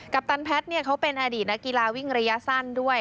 ปตันแพทย์เขาเป็นอดีตนักกีฬาวิ่งระยะสั้นด้วย